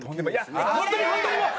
本当に本当にもう！